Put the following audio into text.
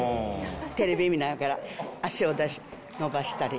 テレビ見ながら足を伸ばしたり。